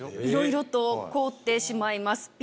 いろいろと凍ってしまいます。